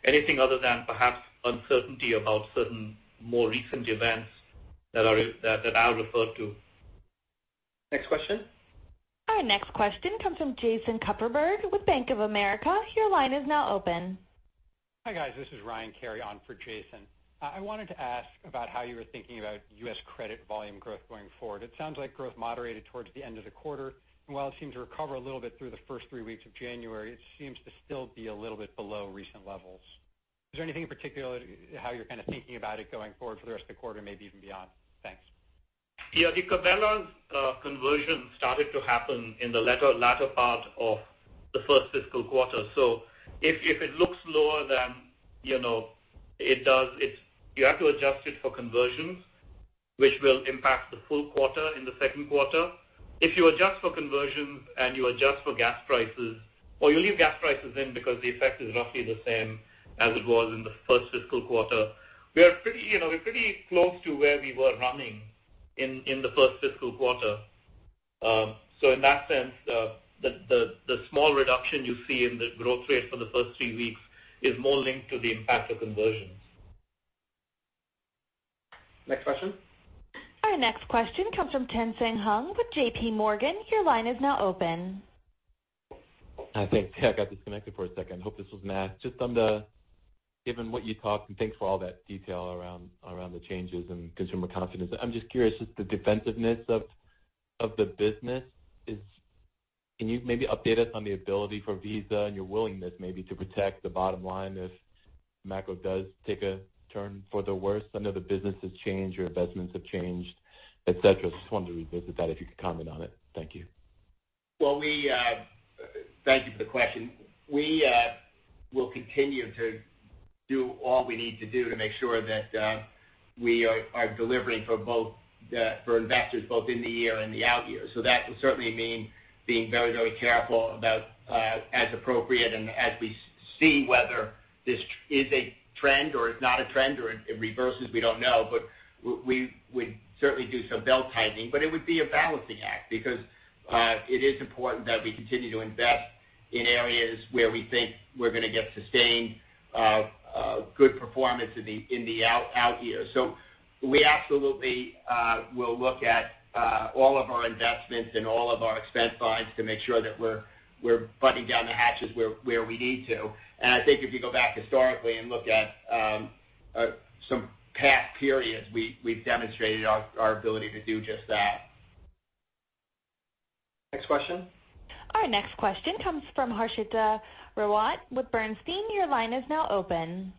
anything other than perhaps uncertainty about certain more recent events that Al referred to. Next question. Our next question comes from Jason Kupferberg with Bank of America. Your line is now open. Hi, guys. This is Ryan Carey on for Jason. I wanted to ask about how you were thinking about U.S. credit volume growth going forward. It sounds like growth moderated towards the end of the quarter, and while it seemed to recover a little bit through the first three weeks of January, it seems to still be a little bit below recent levels. Is there anything in particular how you're kind of thinking about it going forward for the rest of the quarter, maybe even beyond? Thanks. Yeah. The Cabela's conversion started to happen in the latter part of the first fiscal quarter. If it looks lower than it does, you have to adjust it for conversions, which will impact the full quarter in the second quarter. If you adjust for conversions and you adjust for gas prices, you leave gas prices in because the effect is roughly the same as it was in the first fiscal quarter. We're pretty close to where we were running in the first fiscal quarter. In that sense, the small reduction you see in the growth rate for the first three weeks is more linked to the impact of conversions. Next question. Our next question comes from Tien-Tsin Huang with J.P. Morgan. Your line is now open. Hi. Thanks. Yeah, I got disconnected for a second. Hope this was masked. Given what you talked, thanks for all that detail around the changes in consumer confidence, I'm just curious, the defensiveness of the business is. Can you maybe update us on the ability for Visa and your willingness maybe to protect the bottom line if macro does take a turn for the worse? I know the business has changed, your investments have changed, et cetera. Wanted to revisit that, if you could comment on it. Thank you. Thank you for the question. We will continue to do all we need to do to make sure that we are delivering for investors both in the year and the out year. That will certainly mean being very careful about, as appropriate, and as we see whether this is a trend or is not a trend or it reverses, we don't know, but we'd certainly do some belt-tightening. It would be a balancing act because it is important that we continue to invest in areas where we think we're going to get sustained good performance in the out year. We absolutely will look at all of our investments and all of our expense lines to make sure that we're buttoning down the hatches where we need to. I think if you go back historically and look at some past periods, we've demonstrated our ability to do just that. Next question. Our next question comes from Harshita Rawat with Bernstein. Your line is now open.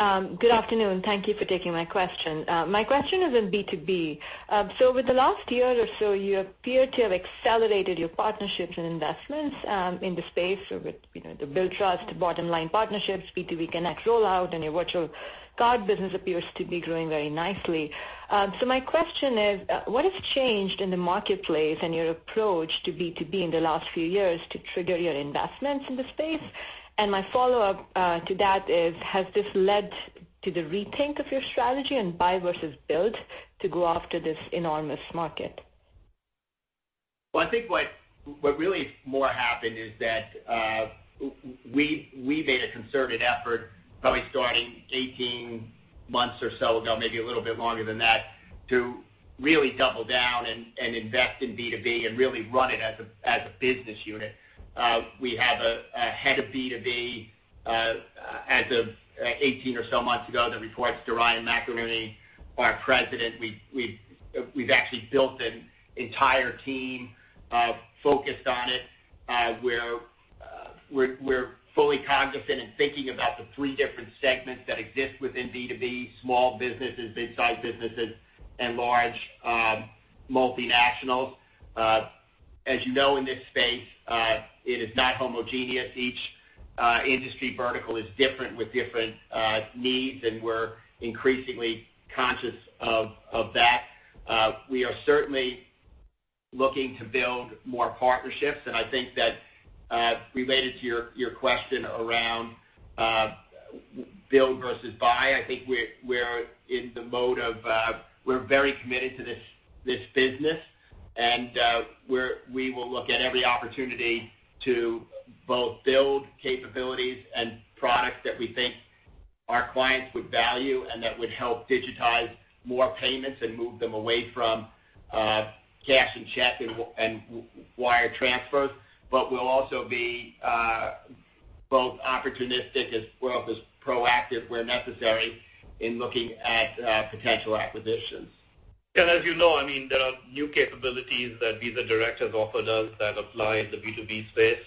Good afternoon. Thank you for taking my question. My question is on B2B. Over the last year or so, you appear to have accelerated your partnerships and investments in the space. With the Billtrust, Bottomline partnerships, B2B Connect rollout, and your virtual card business appears to be growing very nicely. My question is, what has changed in the marketplace and your approach to B2B in the last few years to trigger your investments in the space? My follow-up to that is, has this led to the rethink of your strategy and buy versus build to go after this enormous market? I think what really more happened is that we made a conservative effort, probably starting 18 months or so ago, maybe a little bit longer than that, to really double down and invest in B2B and really run it as a business unit. We have a head of B2B as of 18 or so months ago, that reports to Ryan McInerney, our president. We've actually built an entire team focused on it. We're fully cognizant in thinking about the three different segments that exist within B2B, small businesses, mid-size businesses, and large multinationals. As you know, in this space, it is not homogeneous. Each industry vertical is different with different needs, and we're increasingly conscious of that. We are certainly looking to build more partnerships. I think that related to your question around build versus buy, I think we're in the mode of we're very committed to this business. We will look at every opportunity to both build capabilities and products that we think our clients would value and that would help digitize more payments and move them away from cash and check and wire transfers. We'll also be both opportunistic as well as proactive where necessary in looking at potential acquisitions. As you know, there are new capabilities that Visa Direct has offered us that apply in the B2B space.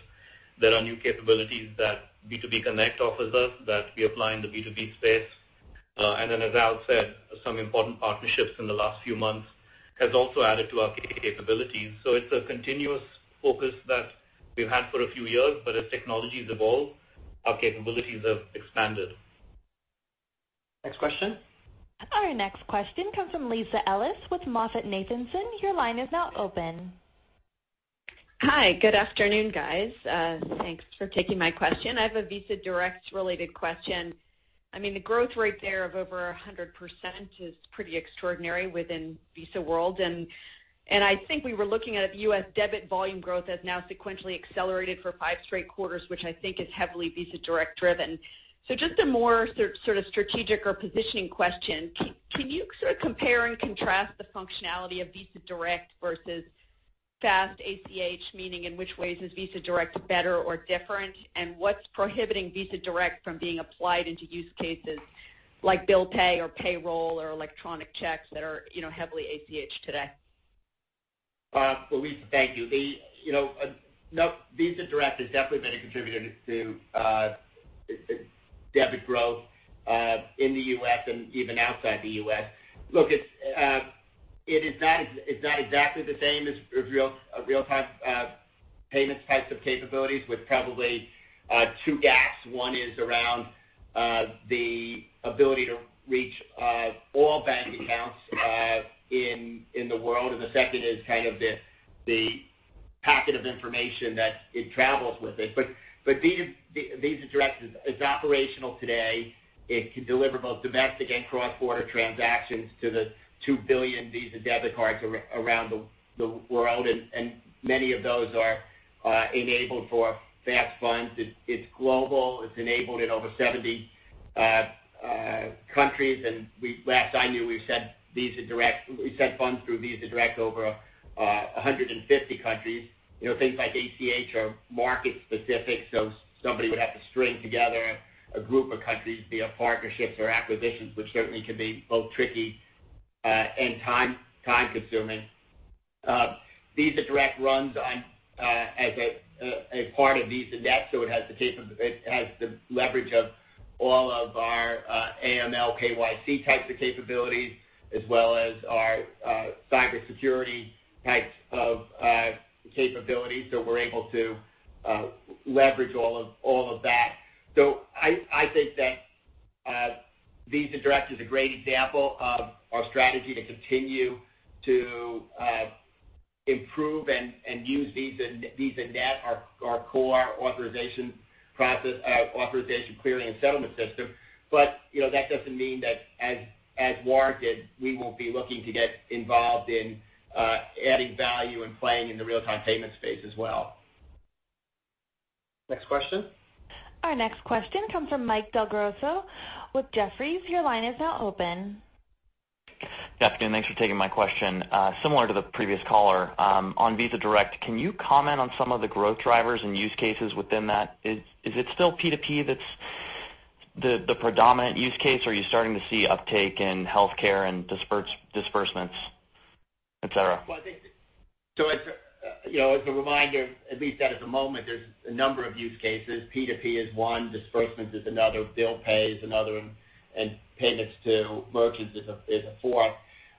There are new capabilities that B2B Connect offers us that we apply in the B2B space. As Al said, some important partnerships in the last few months has also added to our capabilities. It's a continuous focus that we've had for a few years, but as technologies evolve, our capabilities have expanded. Next question. Our next question comes from Lisa Ellis with MoffettNathanson. Your line is now open. Hi. Good afternoon, guys. Thanks for taking my question. I have a Visa Direct related question. The growth rate there of over 100% is pretty extraordinary within Visa world, and I think we were looking at U.S. debit volume growth has now sequentially accelerated for five straight quarters, which I think is heavily Visa Direct driven. Just a more sort of strategic or positioning question. Can you sort of compare and contrast the functionality of Visa Direct versus fast ACH, meaning in which ways is Visa Direct better or different, and what's prohibiting Visa Direct from being applied into use cases like bill pay or payroll or electronic checks that are heavily ACH today? Lisa, thank you. Visa Direct has definitely been a contributor to debit growth in the U.S. and even outside the U.S. It's not exactly the same as real-time payments types of capabilities with probably two gaps. One is around the ability to reach all bank accounts in the world, and the second is kind of the packet of information that it travels with it. Visa Direct is operational today. It can deliver both domestic and cross-border transactions to the 2 billion Visa debit cards around the world, and many of those are enabled for fast funds. It's global. It's enabled in over 70 countries, and last I knew, we sent funds through Visa Direct over 150 countries. Things like ACH are market-specific, somebody would have to string together a group of countries via partnerships or acquisitions, which certainly can be both tricky and time-consuming. Visa Direct runs as a part of VisaNet, it has the leverage of all of our AML, KYC types of capabilities, as well as our cybersecurity types of capabilities. We're able to leverage all of that. I think that Visa Direct is a great example of our strategy to continue to improve and use VisaNet, our core authorization, clearing, and settlement system. That doesn't mean that as warranted, we won't be looking to get involved in adding value and playing in the real-time payment space as well. Next question. Our next question comes from Michael Del Grosso with Jefferies. Your line is now open. Good afternoon. Thanks for taking my question. Similar to the previous caller, on Visa Direct, can you comment on some of the growth drivers and use cases within that? Is it still P2P that's the predominant use case, or are you starting to see uptake in healthcare and disbursements, et cetera? Well, I think as a reminder, at least as of the moment, there's a number of use cases. P2P is one, disbursement is another, bill pay is another, and payments to merchants is a fourth.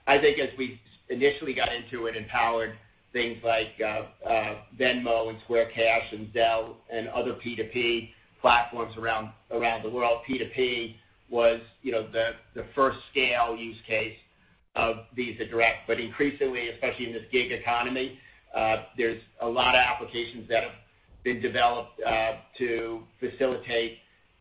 I think as we initially got into it and powered things like Venmo and Cash App and Zelle other P2P platforms around the world, P2P was the first scale use case of Visa Direct. Increasingly, especially in this gig economy, there's a lot of applications that have been developed to facilitate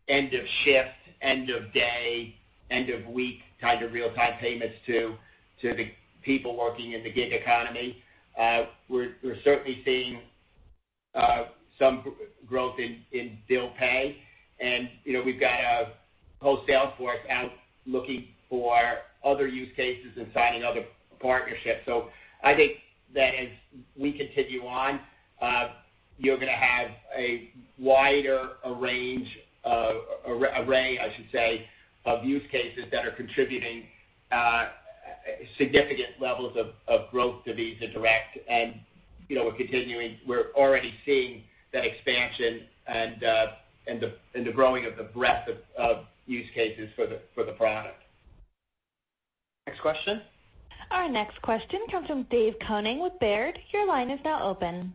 end-of-shift, end-of-day, end-of-week kind of real-time payments to the people working in the gig economy. We're certainly seeing some growth in bill pay, and we've got a whole sales force out looking for other use cases and signing other partnerships. I think that as we continue on, you're going to have a wider range, array, I should say, of use cases that are contributing significant levels of growth to Visa Direct. We're already seeing that expansion and the growing of the breadth of use cases for the product. Next question. Our next question comes from David Koning with Baird. Your line is now open.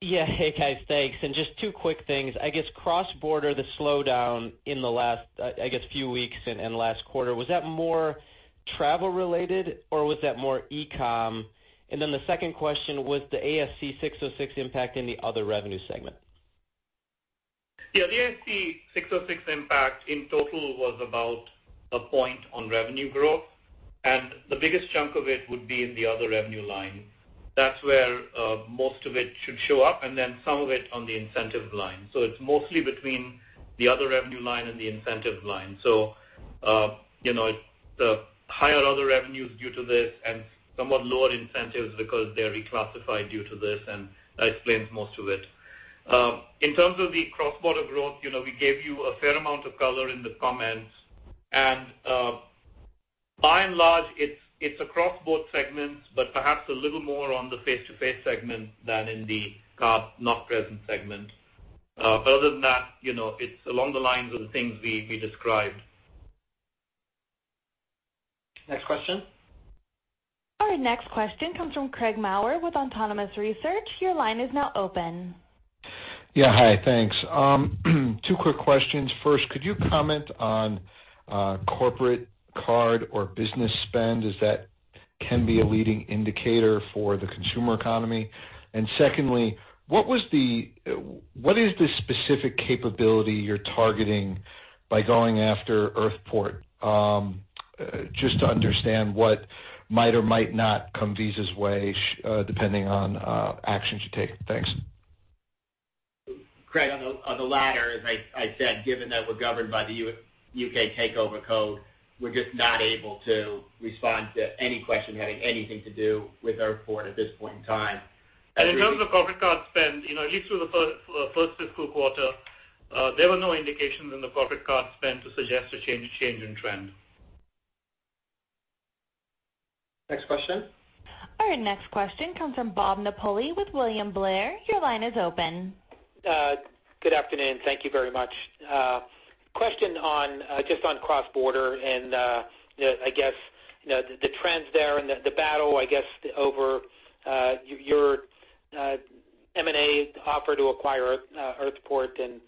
Yeah. Hey, guys. Thanks. Just two quick things. I guess cross-border, the slowdown in the last, I guess, few weeks and last quarter, was that more travel related, or was that more e-com? The second question, was the ASC 606 impact in the other revenue segment? Yeah. The ASC 606 impact in total was about a point on revenue growth. The biggest chunk of it would be in the other revenue line. That's where most of it should show up. Some of it on the incentive line. It's mostly between the other revenue line and the incentive line. The higher other revenues due to this and somewhat lower incentives because they're reclassified due to this. That explains most of it. In terms of the cross-border growth, we gave you a fair amount of color in the comments. By and large, it's across both segments, but perhaps a little more on the face-to-face segment than in the card not present segment. Other than that, it's along the lines of the things we described. Next question. Our next question comes from Craig Maurer with Autonomous Research. Your line is now open. Yeah. Hi, thanks. Two quick questions. First, could you comment on corporate card or business spend, as that can be a leading indicator for the consumer economy? Secondly, what is the specific capability you're targeting by going after Earthport? Just to understand what might or might not come Visa's way depending on actions you take. Thanks. Craig, on the latter, as I said, given that we're governed by the U.K. Takeover Code, we're just not able to respond to any question having anything to do with Earthport at this point in time. In terms of corporate card spend, at least through the first fiscal quarter, there were no indications in the corporate card spend to suggest a change in trend. Next question. Our next question comes from Robert Napoli with William Blair. Your line is open. Good afternoon. Thank you very much. Question just on cross-border and the trends there and the battle over your M&A offer to acquire Earthport and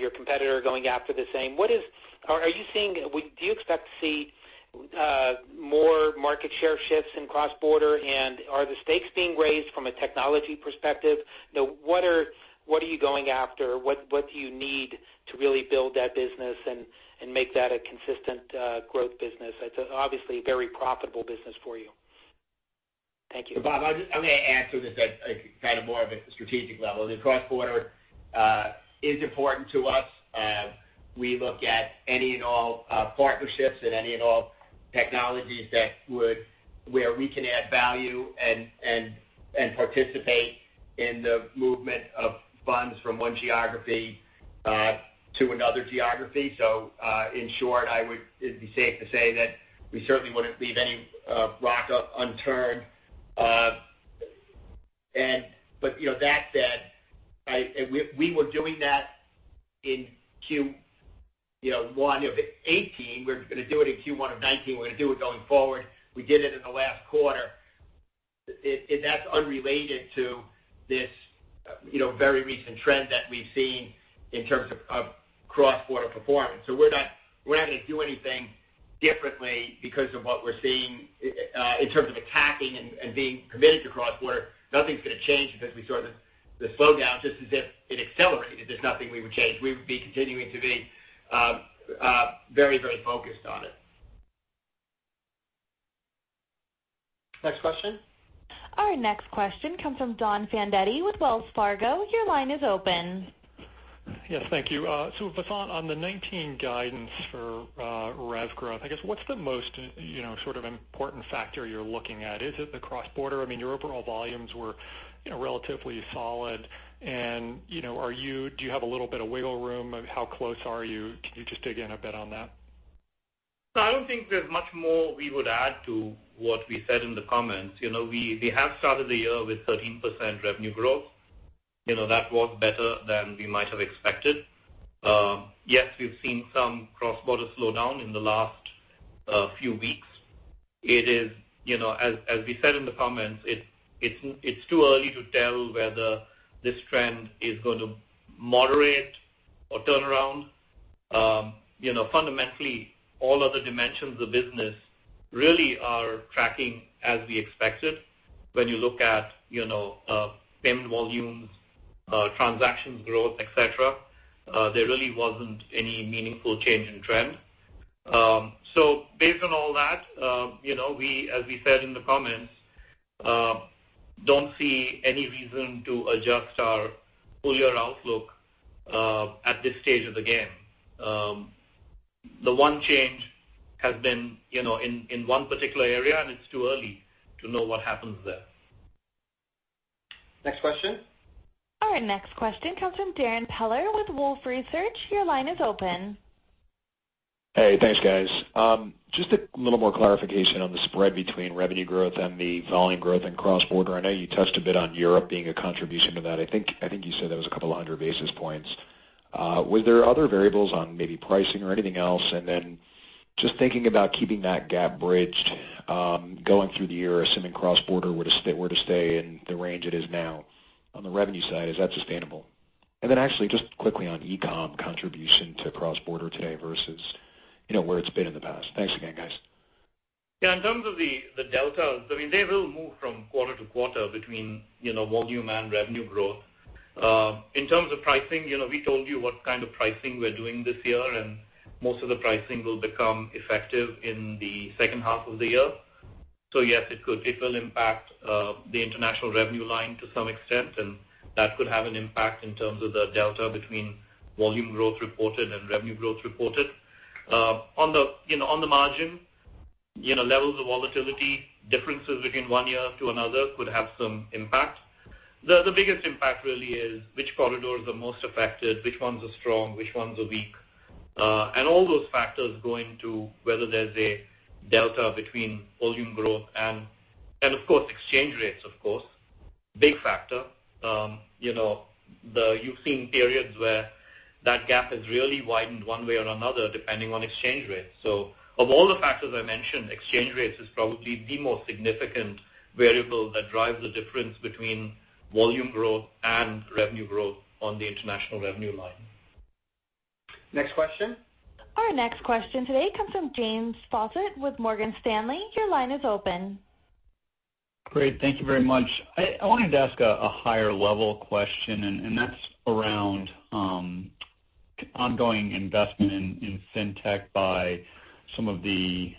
your competitor going after the same. Do you expect to see more market share shifts in cross-border, and are the stakes being raised from a technology perspective? What are you going after? What do you need to really build that business and make that a consistent growth business? It's obviously a very profitable business for you. Thank you. Bob, I'm going to answer this at kind of more of a strategic level. The cross-border is important to us. We look at any and all partnerships and any and all technologies where we can add value and participate in the movement of funds from one geography to another geography. In short, it'd be safe to say that we certainly wouldn't leave any rock unturned. That said, we were doing that in Q1 of 2018. We're going to do it in Q1 of 2019. We're going to do it going forward. We did it in the last quarter. That's unrelated to this very recent trend that we've seen in terms of cross-border performance. We're not going to do anything differently because of what we're seeing in terms of attacking and being committed to cross-border. Nothing's going to change because we saw the slowdown, just as if it accelerated. There's nothing we would change. We would be continuing to be very focused on it. Next question. Our next question comes from Donald Fandetti with Wells Fargo. Your line is open. Yes. Thank you. Vasant, on the 2019 guidance for rev growth, I guess what's the most sort of important factor you're looking at? Is it the cross-border? I mean, your overall volumes were relatively solid and do you have a little bit of wiggle room? How close are you? Can you just dig in a bit on that? No, I don't think there's much more we would add to what we said in the comments. We have started the year with 13% revenue growth. That was better than we might have expected. Yes, we've seen some cross-border slowdown in the last few weeks. As we said in the comments, it's too early to tell whether this trend is going to moderate or turn around. Fundamentally, all other dimensions of business really are tracking as we expected. When you look at payment volumes, transactions growth, et cetera, there really wasn't any meaningful change in trend. Based on all that, as we said in the comments, don't see any reason to adjust our full-year outlook at this stage of the game. The one change has been in one particular area, and it's too early to know what happens there. Next question. Our next question comes from Darrin Peller with Wolfe Research. Your line is open. Hey, thanks guys. Just a little more clarification on the spread between revenue growth and the volume growth in cross-border. I know you touched a bit on Europe being a contribution to that. I think you said that was a couple of 100 basis points. Were there other variables on maybe pricing or anything else? Just thinking about keeping that gap bridged going through the year, assuming cross-border were to stay in the range it is now. On the revenue side, is that sustainable? Actually just quickly on e-com contribution to cross-border today versus where it's been in the past. Thanks again, guys. Yeah, in terms of the delta, they will move from quarter-to-quarter between volume and revenue growth. In terms of pricing, we told you what kind of pricing we're doing this year, and most of the pricing will become effective in the second half of the year. Yes, it will impact the international revenue line to some extent, and that could have an impact in terms of the delta between volume growth reported and revenue growth reported. On the margin, levels of volatility, differences between one year to another could have some impact. The biggest impact really is which corridors are most affected, which ones are strong, which ones are weak, and all those factors go into whether there's a delta between volume growth and of course, exchange rates, of course. Big factor. You've seen periods where that gap has really widened one way or another depending on exchange rates. Of all the factors I mentioned, exchange rates is probably the most significant variable that drives the difference between volume growth and revenue growth on the international revenue line. Next question. Our next question today comes from James Faucette with Morgan Stanley. Your line is open. Great. Thank you very much. I wanted to ask a higher-level question, that's around ongoing investment in fintech by some of the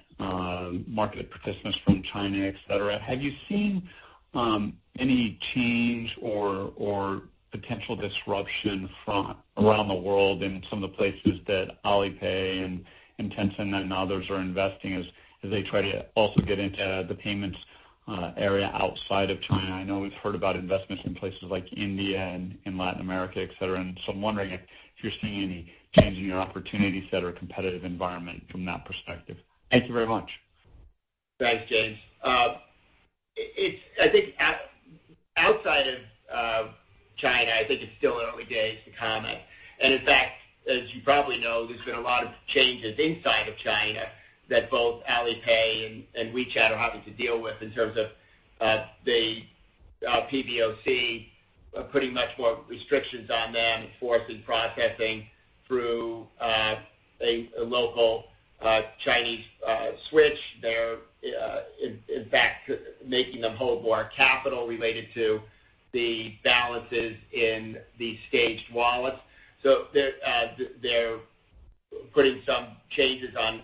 market participants from China, et cetera. Have you seen any change or potential disruption from around the world in some of the places that Alipay and Tencent and others are investing as they try to also get into the payments area outside of China? I know we've heard about investments in places like India and in Latin America, et cetera. I'm wondering if you're seeing any change in your opportunity set or competitive environment from that perspective. Thank you very much. Thanks, James. I think outside of China, I think it's still early days to comment. In fact, as you probably know, there's been a lot of changes inside of China that both Alipay and WeChat are having to deal with in terms of the PBOC putting much more restrictions on them, forcing processing through a local Chinese switch there, in fact, making them hold more capital related to the balances in the staged wallets. They're putting some changes on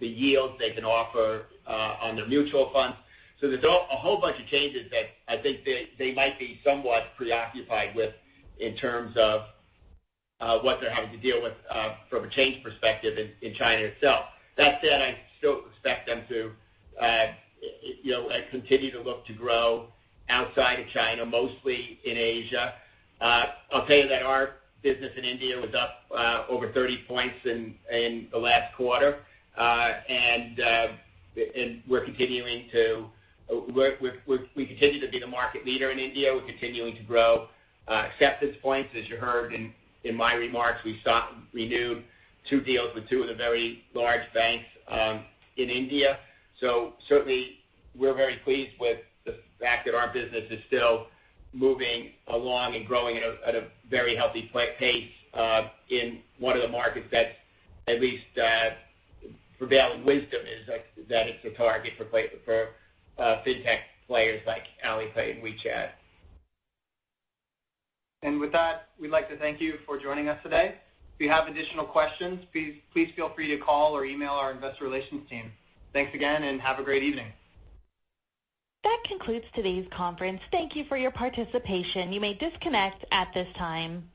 the yields they can offer on their mutual funds. There's a whole bunch of changes that I think they might be somewhat preoccupied with in terms of what they're having to deal with from a change perspective in China itself. That said, I still expect them to continue to look to grow outside of China, mostly in Asia. I'll tell you that our business in India was up over 30 points in the last quarter. We continue to be the market leader in India. We're continuing to grow acceptance points. As you heard in my remarks, we renewed two deals with two of the very large banks in India. Certainly, we're very pleased with the fact that our business is still moving along and growing at a very healthy pace in one of the markets that at least prevailing wisdom is that it's a target for fintech players like Alipay and WeChat. With that, we'd like to thank you for joining us today. If you have additional questions, please feel free to call or email our investor relations team. Thanks again, and have a great evening. That concludes today's conference. Thank you for your participation. You may disconnect at this time.